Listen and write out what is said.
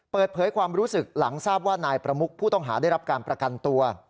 เปิดเผยความรู้สึกหลังทราบว่านายประมุกผู้ต้องหาได้รับการประกันตัว